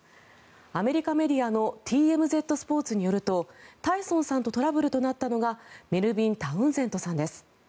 アメリカメディアのＴＭＺスポーツによるとタイソンさんとトラブルとなったのがメルビン・タウンゼントさんです。